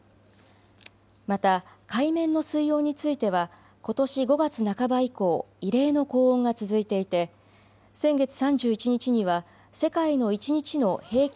また海面の水温についてはことし５月半ば以降、異例の高温が続いていて先月３１日には世界の一日の平均